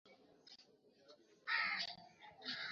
kwamba watu wengi wakamwamini Nikodemu mshiriki mmojawapo wa